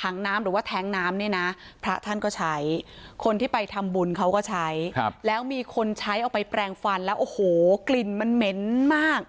ถังน้ำหรือว่าแท้งน้ำเนี่ยนะพระท่านก็ใช้คนที่ไปทำบุญเขาก็ใช้แล้วมีคนใช้เอาไปแปลงฟันแล้วโอ้โหกลิ่นมันเหม็นมาก